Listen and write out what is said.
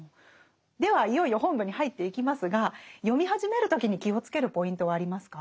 ではいよいよ本文に入っていきますが読み始める時に気を付けるポイントはありますか？